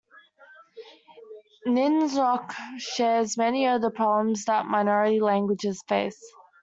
Nynorsk shares many of the problems that minority languages face.